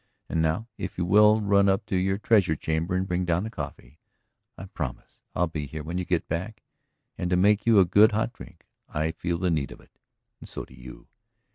... And now, if you will run up to your Treasure Chamber and bring down the coffee, I'll promise to be here when you get back. And to make you a good hot drink; I feel the need of it and so do you."